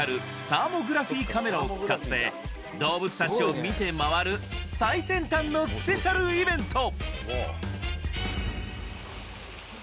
サーモグラフィーカメラを使って動物達を見て回る最先端のスペシャルイベント！